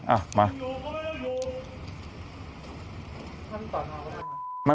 อ่ะมา